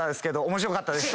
面白かったです。